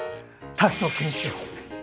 滝藤賢一です。